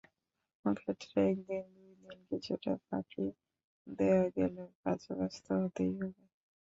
কর্মক্ষেত্রে একদিন, দুই দিন কিছুটা ফাঁকি দেওয়া গেলেও কাজে ব্যস্ত হতেই হবে।